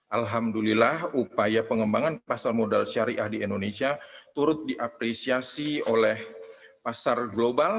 alhamdulillah upaya pengembangan pasar modal syariah di indonesia turut diapresiasi oleh pasar global